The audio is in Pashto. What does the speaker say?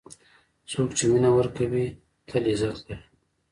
څوک چې مینه ورکوي، تل عزت لري.